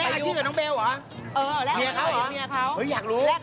เออแลกอาชีพกับเมียเขาเหรอเห้ยอยากรู้แลกอาชีพกันจะเป็นอย่างไรนะฮะ